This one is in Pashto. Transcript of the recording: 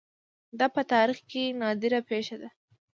دا په تاریخ کې نادره پېښه ده